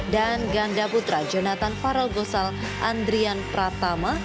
dan ganda putra jonathan farel gosal andrian pratama